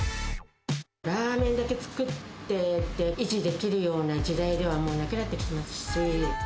ラーメンだけ作ってて維持できるような時代では、もうなくなってきてますし。